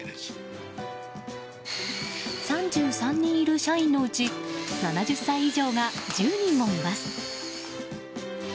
３３人いる社員のうち７０歳以上が１０人もいます。